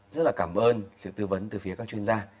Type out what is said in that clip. rất là cảm ơn sự tư vấn từ phía các chuyên gia